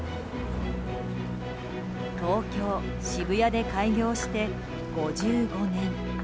東京・渋谷で開業して５５年。